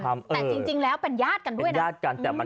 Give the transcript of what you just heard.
แต่จริงแล้วเป็นญาติกันด้วยนะ